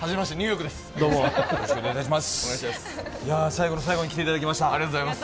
最後の最後に来ていただきました。